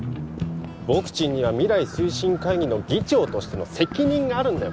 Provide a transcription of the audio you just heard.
僕ちんには未来推進会議の議長としての責任があるんだよ